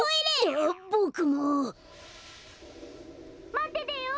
・まっててよ。